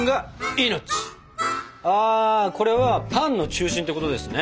ああこれはパンの中心ってことですね？